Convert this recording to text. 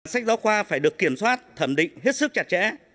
sách giáo khoa phải được kiểm soát thẩm định hết sức chặt chẽ